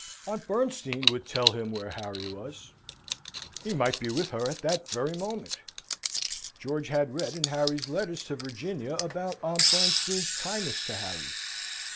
Aunt Bernstein would tell him where Harry was. He might be with her at that very moment. George had read in Harry's letters to Virginia about Aunt Bernstein's kindness to Harry.